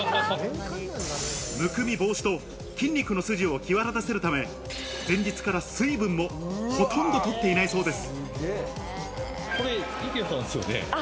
むくみ防止と筋肉の筋を際立たせるため、前日から水分もほとんど取っていないそうです。